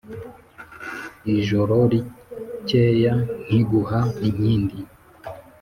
ijoro rikeya nkiguha inkindi